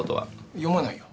読まないよ。